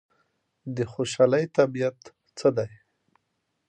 د خوشحالۍ طبیعت څه دی؟